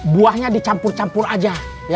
buahnya dicampur campur aja